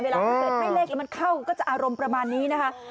วันเกิดให้เลขแล้วมันเข้าก็จะอารมณ์ประมาณนี้นะคะ